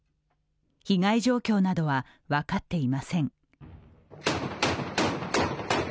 被害状況などは分かっていません。